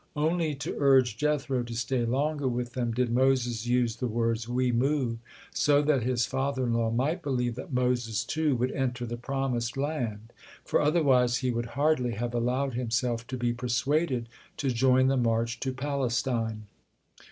Only to urge Jethro to stay longer with them did Moses use the words "we move," so that his father in law might believe that Moses too would enter the promised land, for otherwise he would hardly have allowed himself to be persuaded to join the march to Palestine.